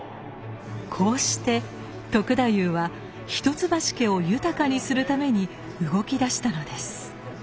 こうして篤太夫は一橋家を豊かにするために動き出したのです。